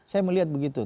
saya melihat begitu